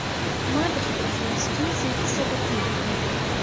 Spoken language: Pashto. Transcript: ما د خپل ژوند ستونزې په صبر تېرې کړې.